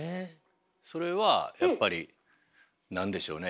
それはやっぱり何でしょうね